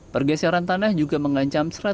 pergeseran tanah juga mengajakkan